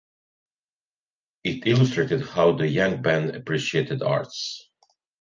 It illustrated how the Yangban appreciated Arts.